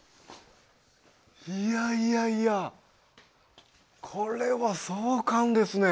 いやいやいやこれは壮観ですね。